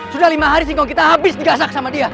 sudah lima hari singkong kita habis digasak sama dia